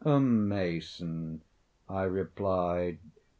"A mason," I replied.